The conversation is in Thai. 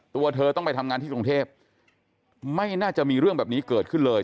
ตัวเธอต้องไปทำงานที่กรุงเทพไม่น่าจะมีเรื่องแบบนี้เกิดขึ้นเลย